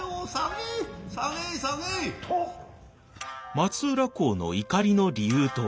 松浦侯の怒りの理由とは。